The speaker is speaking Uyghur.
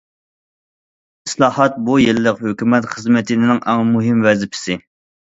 ئىسلاھات بۇ يىللىق ھۆكۈمەت خىزمىتىنىڭ ئەڭ مۇھىم ۋەزىپىسى.